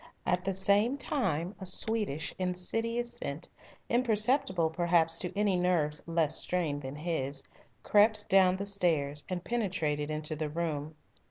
At the same time a sweetish, insidious scent, imperceptible perhaps to any nerves less strained than his, crept down the stairs and penetrated into the room.